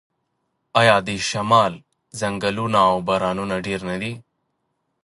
آیا د شمال ځنګلونه او بارانونه ډیر نه دي؟